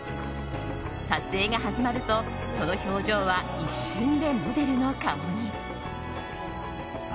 撮影が始まると、その表情は一瞬でモデルの顔に。